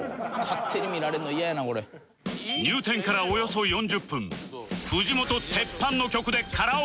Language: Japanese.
入店からおよそ４０分